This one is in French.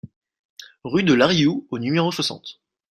Rue de l'Arriou au numéro soixante